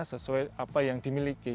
sesuai apa yang dimiliki